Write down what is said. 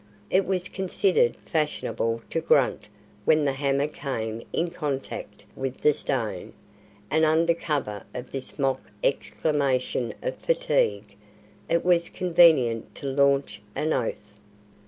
It was considered fashionable to grunt when the hammer came in contact with the stone, and under cover of this mock exclamation of fatigue, it was convenient to launch an oath.